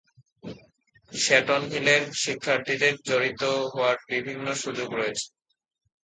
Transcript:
Satan হিলের শিক্ষার্থীদের জড়িত হওয়ার বিভিন্ন সুযোগ রয়েছে।